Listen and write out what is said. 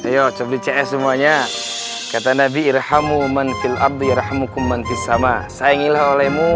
yuk coba cs semuanya kata nabi irhamu manfil abdi rahimukum manfis sama sayangilah olehmu